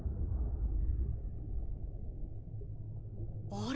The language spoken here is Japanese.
あれ！？